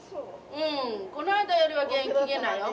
うんこの間よりは元気げなよ。